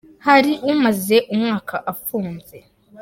Hari umaze umwaka afunze.